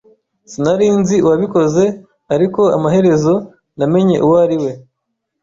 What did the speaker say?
Sinari nzi uwabikoze, ariko amaherezo namenye uwo ari we.